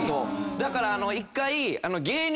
だから１回。